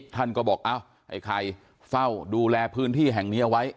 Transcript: ท่านก็บอกเอ้าไอ้ไข่เฝ้าดูแลพื้นที่แห่งนี้เอาไว้